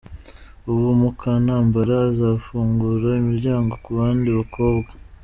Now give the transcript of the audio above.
Ubu, Mukantambara azafungura imiryango ku bandi bakobwa.